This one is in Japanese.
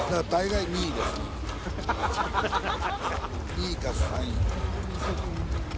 ２位か３位。